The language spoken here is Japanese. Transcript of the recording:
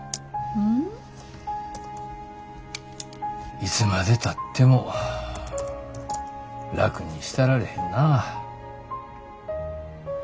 いつまでたっても楽にしたられへんな。